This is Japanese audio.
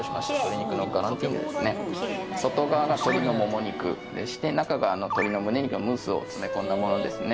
外側が鶏のもも肉でして中が鶏のむね肉のムースを詰め込んだものですね。